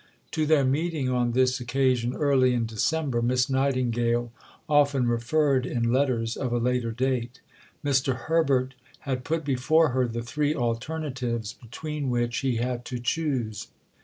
To their meeting on this occasion, early in December, Miss Nightingale often referred in letters of a later date. Mr. Herbert had put before her the three alternatives between which he had to choose.